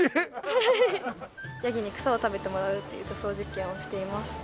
ヤギに草を食べてもらうっていう除草実験をしています。